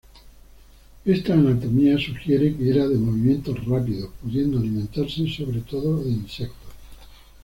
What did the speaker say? Esta anatomía sugiere que era de movimientos rápidos, pudiendo alimentarse sobre todo de insectos.